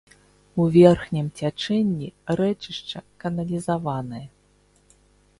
У верхнім цячэнні рэчышча каналізаванае.